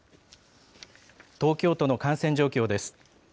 東京都の感染状況です。